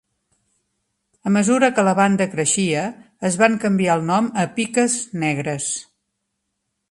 A mesura que la banda creixia, es van canviar el nom a Piques negres.